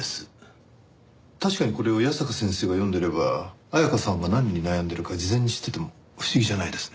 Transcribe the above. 確かにこれを矢坂先生が読んでいれば彩香さんが何に悩んでるか事前に知ってても不思議じゃないですね。